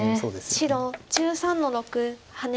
白１３の六ハネ。